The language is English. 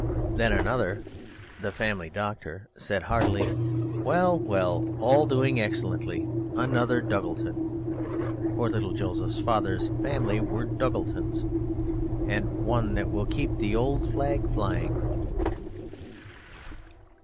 Then another, the family doctor, said heartily, "Well, well, all doing excellently; another Duggleton" (for little Joseph's father's family were Duggletons) "and one that will keep the old flag flying."